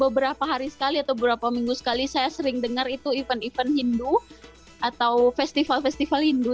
beberapa hari sekali atau beberapa minggu sekali saya sering dengar itu event event hindu atau festival festival hindu